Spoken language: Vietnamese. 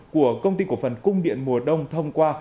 của công ty cổ phần cung điện mùa đông thông qua